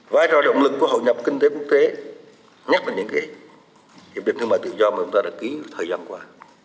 vai trò động lực của hội nhập kinh tế quốc tế nhất là những hiệp định thương mại tự do mà chúng ta đã ký thời gian qua